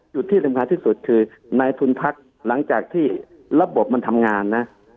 จุดที่สำคัญที่สุดคือในทุนพักหลังจากที่ระบบมันทำงานนะ